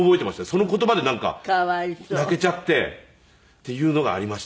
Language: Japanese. その言葉でなんか泣けちゃってっていうのがありましたね。